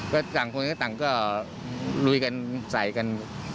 ก็ต่างคนก็ต่างก็ลุยกันใส่กัน